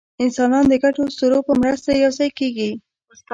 انسانان د ګډو اسطورو په مرسته یوځای کېږي.